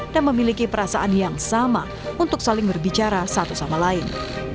dan memiliki perasaan yang sama untuk saling berbicara satu sama lain